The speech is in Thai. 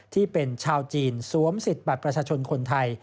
ที่เป็นชาวจีนสวมสิทธิ์บัตรประชาชนคนไทย